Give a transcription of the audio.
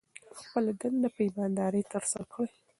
خپله دنده په ایمانداري ترسره کړئ.